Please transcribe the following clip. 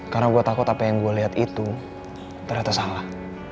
karena gue takut apa yang gue liat itu ternyata salah